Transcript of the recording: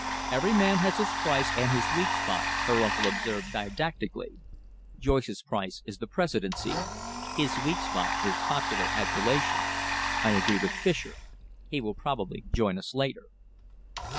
"Every man has his price and his weak spot," her uncle observed didactically. "Joyce's price is the Presidency. His weak spot is popular adulation. I agree with Fischer. He will probably join us later."